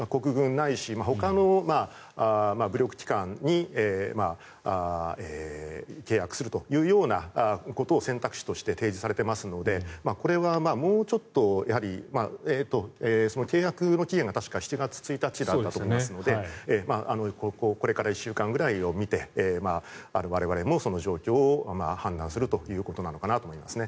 ないしほかの武力機関と契約するというようなことを選択肢として提示されていますのでこれはもうちょっと契約の期限が確か７月１日だったと思いますのでこれから１週間ぐらいを見て我々もその状況を判断するということなのかなと思いますね。